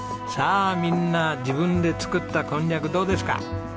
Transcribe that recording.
さあみんな自分で作ったこんにゃくどうですか？